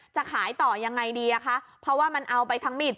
จะขายต่อยังไงดีอ่ะคะเพราะว่ามันเอาไปทั้งมิด